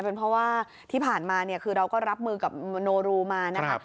เพราะว่าที่ผ่านมาคือเราก็รับมือกับโนรูมานะคะ